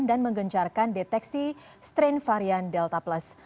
dan menggencarkan deteksi strain varian delta plus